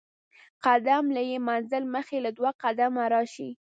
قدم له ئې منزل مخي له دوه قدمه راشي